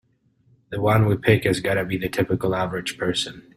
The one we pick has gotta be the typical average person.